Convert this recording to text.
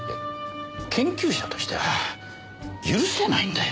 研究者としては許せないんだよ。